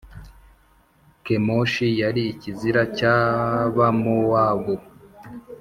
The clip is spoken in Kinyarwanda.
Kemoshi yari ikizira cy’Abamowabu